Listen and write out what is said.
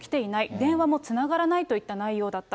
電話もつながらないといった内容だった。